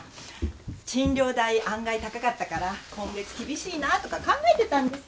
診療代案外高かったから今月厳しいなとか考えてたんですよ